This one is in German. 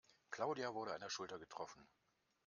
Claudia wurde an der Schulter getroffen.